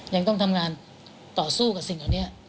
ยังต้องทำงานต่อสู้กับสิ่งเหล่านี้